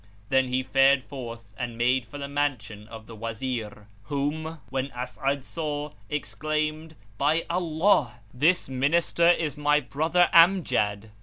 Then he fared forth and made for the mansion of the Wazir, whom, when As'ad saw, exclaimed, "By Allah, this Minister is my brother Amjad!"